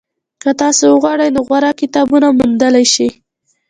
که تاسو وغواړئ نو غوره کتابونه موندلی شئ.